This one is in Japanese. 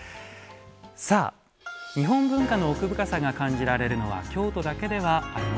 さあ日本文化の奥深さが感じられるのは京都だけではありません。